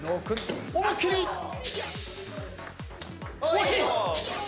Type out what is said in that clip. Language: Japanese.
惜しい！